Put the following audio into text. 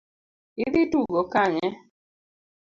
Idhi tugo Kanye?